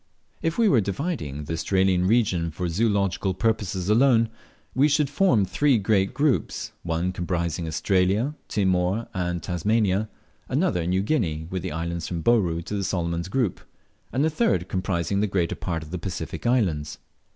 If we were dividing the Australian region for zoological purposes alone, we should form three great groups: one comprising Australia, Timor, and Tasmania; another New Guinea, with the islands from Bouru to the Solomon's group; and the third comprising the greater part of the Pacific Islands.